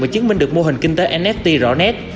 và chứng minh được mô hình kinh tế nft rõ nét